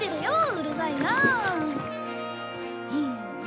うるさいな。